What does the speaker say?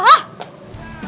sok atuh sok